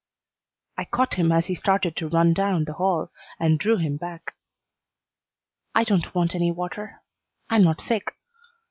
I caught him as he started to run down the hall, and drew him back. "I don't want any water. I am not sick."